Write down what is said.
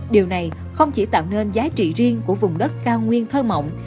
điều này không chỉ tạo nên giá trị riêng của vùng đất cao nguyên thơ mộng